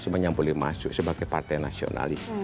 semuanya boleh masuk sebagai partai nasionalis